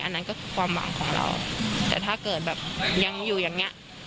อันนั้นก็คือความหวังของเราแต่ถ้าเกิดแบบยังอยู่อย่างเงี้ย